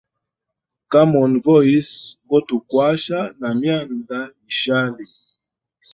Common voice go tukwasha na myanda yishali.